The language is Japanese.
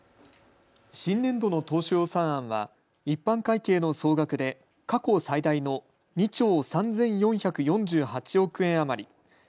新年度の当初予算案は一般会計の総額で過去最大の２兆３４４８億円余り。